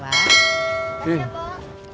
makasih ya pok